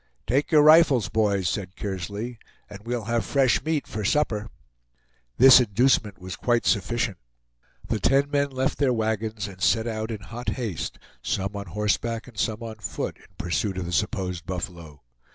"Take your rifles, boys," said Kearslcy, "and we'll have fresh meat for supper." This inducement was quite sufficient. The ten men left their wagons and set out in hot haste, some on horseback and some on foot, in pursuit of the supposed buffalo.